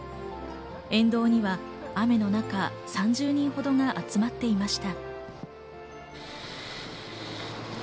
沿道には雨の中、３０人ほどが集まっていました。